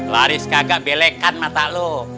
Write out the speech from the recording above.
laris gagak belekan mata lo